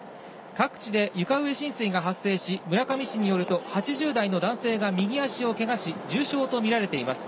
各地で床上浸水が発生し、村上市によると８０代の男性が右足をけがし重傷と見られています。